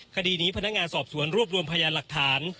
คดีนี้พนักงานสอบสวนรวบรวมพยานหลักฐาน